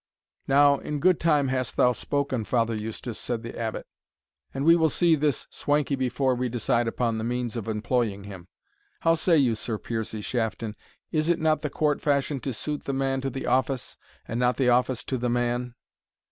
"Now, in good time hast thou spoken, Father Eustace," said the Abbot; "and we will see this swankie before we decide upon the means of employing him. How say you, Sir Piercie Shafton, is it not the court fashion to suit the man to the office, and not the office to the man?"